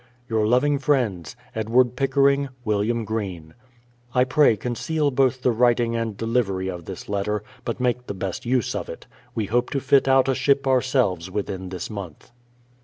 ..Your loving friends, EDWARD PICKERING. WILLIAM GREENE. I pray conceal both the writing and delivery of this letter, but make the best use of it. We hope to fit out a ship ourselves within this month.